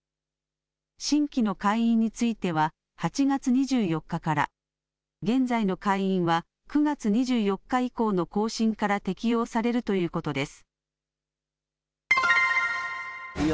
新規の会員については８月２４日から、現在の会員は９月２４日以降の更新から適用されるということです。